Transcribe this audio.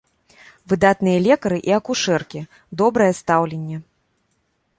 Выдатныя лекары і акушэркі, добрае стаўленне!